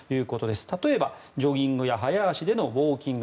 例えば、ジョギングや早足でのウォーキング